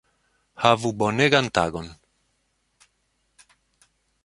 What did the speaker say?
Havu bonegan tagon